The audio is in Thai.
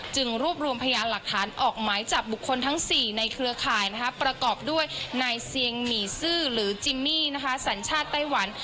รวบรวมพยานหลักฐานออกหมายจับบุคคลทั้ง๔ในเครือข่ายประกอบด้วยนายเซียงหมี่ซื่อหรือจิมมี่สัญชาติไต้หวัน